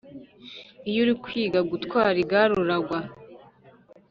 Iyo uri kwiga gutwara igare uragwa